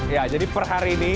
ya jadi per hari ini